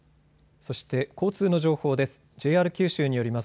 そして、交通の情報です。